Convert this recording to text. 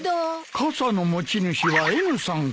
傘の持ち主はＮさんか。